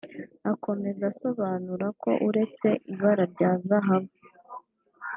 Akomeza asobanura ko uretse ibara rya zahabu